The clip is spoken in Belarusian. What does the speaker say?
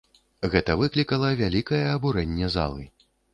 Гэта выклікала вялікае абурэнне залы.